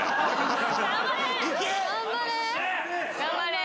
頑張れ！